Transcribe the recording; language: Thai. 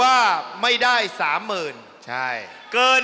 โอ๊ยเฮ้ยเฮ้ยเฮ้ยเฮ้ย